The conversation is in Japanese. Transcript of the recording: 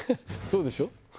そうでしょ？